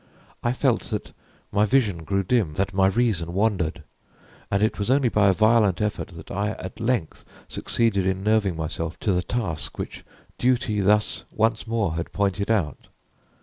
I felt that my vision grew dim, that my reason wandered; and it was only by a violent effort that I at length succeeded in nerving myself to the task which duty thus once more had pointed out.